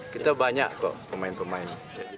kita banyak kok pemain pemain